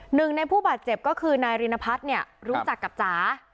หนึ่งในผู้บาดเจ็บก็คือนายรินพัฒน์เนี่ยรู้จักกับจ๋า